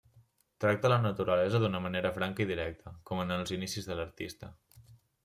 Tracta la naturalesa d'una manera franca i directa, com en els inicis de l'artista.